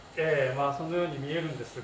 まあそのように見えるんですが。